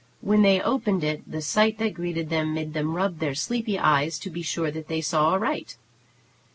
When they opened it the sight that greeted them made them rub their sleepy eyes to be sure that they saw aright.